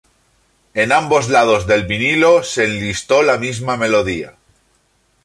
En ambos lados del vinilo se enlistó la misma melodía.